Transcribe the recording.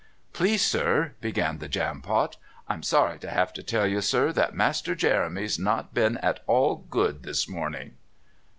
"Please, sir," began the Jampot, "I'm sorry to 'ave to tell you, sir, that Master Jeremy's not been at all good this morning."